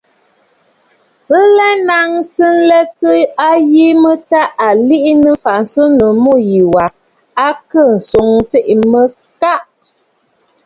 Bɨ lɛ nnaŋsə nlətə a yi mə tâ à liʼinə afǎnsənnǔ mû yì wa, a kɨɨ̀ ǹswoŋə tsiʼì mə “Kaʼa!”.